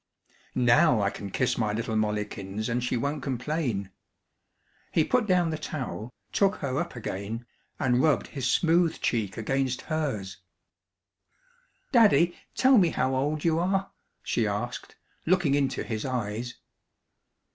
"Now I can kiss my little Mollikins and she won't complain." He put down the towel, took her up again, and rubbed his smooth cheek against hers. "Daddy, tell me how old you are," she asked, looking into his eyes.